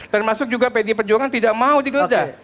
termasuk juga pdi perjuangan tidak mau digeledah